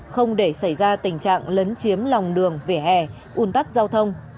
không để xảy ra tình trạng lấn chiếm lòng đường vỉa hè ùn tắc giao thông